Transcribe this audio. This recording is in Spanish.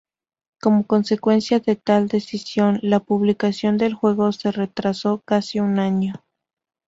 Como consecuencia de tal decisión, la publicación del juego se retrasó casi un año.